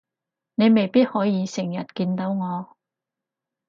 你未必可以成日見到我